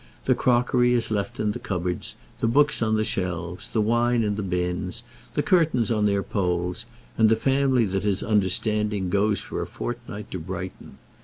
The crockery is left in the cupboards, the books on the shelves, the wine in the bins, the curtains on their poles, and the family that is understanding goes for a fortnight to Brighton.